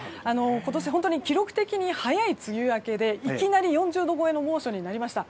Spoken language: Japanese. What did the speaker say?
今年は記録的に早い梅雨明けでいきなり４０度超えの猛暑になりました。